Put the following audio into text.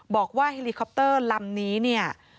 บอกว่าเฮลีคอปเตอร์ลำนี้